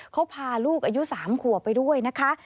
เขาพาลูกอายุ๓ขัวไปด้วยนะคะ